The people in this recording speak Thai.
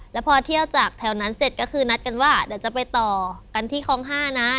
แล้วพอเที่ยวจากแถวนั้นเสร็จก็คือนัดกันว่าเดี๋ยวจะไปต่อกันที่คลอง๕นะ